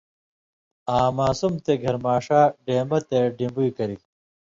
آں ماسُم تے گھریۡماݜہ ڈیمبہ تےۡ ڈِمبُوئ کرِگ؛